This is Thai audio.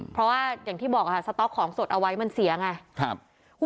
เพราะว่าอย่างที่บอกค่ะสต๊อกของสดเอาไว้มันเสียไง